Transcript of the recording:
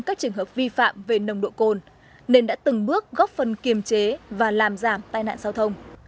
các trường hợp vi phạm về nồng độ cồn nên đã từng bước góp phần kiềm chế và làm giảm tai nạn giao thông